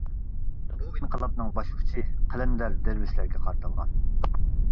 بۇ ئىنقىلابنىڭ باش ئۇچى قەلەندەر دەرۋىشلەرگە قارىتىلغان.